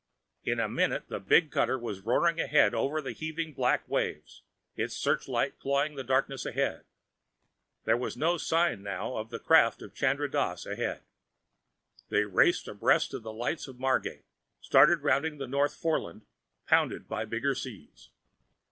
In a minute the big cutter was roaring ahead over the heaving black waves, its searchlight clawing the darkness ahead. There was no sign now of the craft of Chandra Dass ahead. They raced abreast of the lights of Margate, started rounding the North Foreland, pounded by bigger seas.